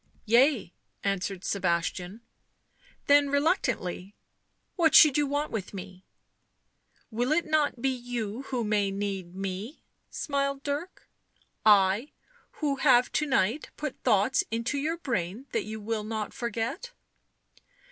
"Yea," answered Sebastian; then, reluctantly, " What should you want with me ?"" Will it not be you who may need me ?" smiled Dirk. " I, who have to night put thoughts into your brain that you will not forget?"